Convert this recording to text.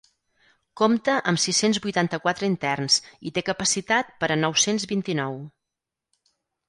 Compta amb sis-cents vuitanta-quatre interns i té capacitat per a nou-cents vint-i-nou.